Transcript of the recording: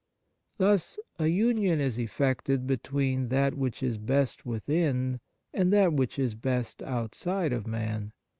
Thus, a union is effected between that which is best within and that which is best outside of man.